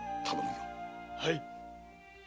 はい